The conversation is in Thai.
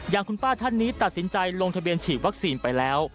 อย่างคุณป้าท่านนี้ตัดสินใจลงทะเบียนฉีดวัคซีนไปแล้ว